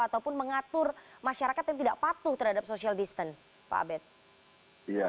atau mengatur masyarakat yang tidak patuh terhadap social distancing